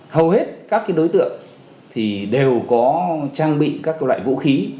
hầu hết các đối tượng thì đều có trang bị các loại vũ khí